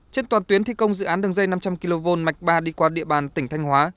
trên toàn tuyến thi công dự án đường dây năm trăm linh kv mạch ba đi qua địa bàn tỉnh thanh hóa